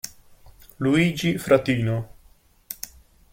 Luigi Fratino.